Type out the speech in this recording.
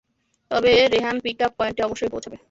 তবে Rehan pick up পয়েন্টে অবশ্যই পৌঁছাবে।